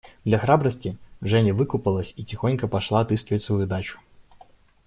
Для храбрости Женя выкупалась и тихонько пошла отыскивать свою дачу.